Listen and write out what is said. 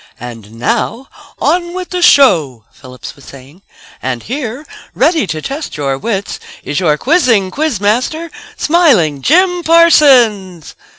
"... And now, on with the show," Phillips was saying. "And here, ready to test your wits, is your quizzing quiz master, Smiling Jim Parsons."